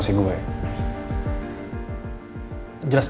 hari ini gueounding man gitu sa